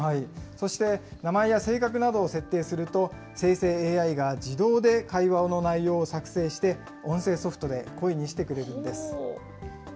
そして名前や性格などを設定すると、生成ＡＩが自動で会話の内容を作成して、音声ソフトで声にしてくれるんです。